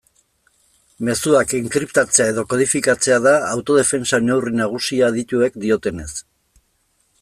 Mezuak enkriptatzea edo kodifikatzea da autodefentsa neurri nagusia adituek diotenez.